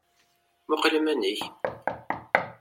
Muqel iman-ik!